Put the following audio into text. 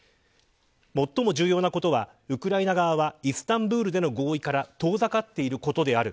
最も重要なことはウクライナ側はイスタンブールでの合意から遠ざかっていることである。